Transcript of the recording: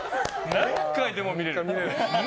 何回でも見れる。